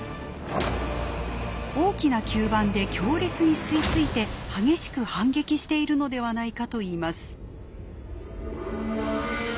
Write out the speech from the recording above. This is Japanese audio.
大きな吸盤で強烈に吸い付いて激しく反撃しているのではないかといいます。